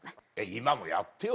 今もやってよ